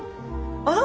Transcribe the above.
あら！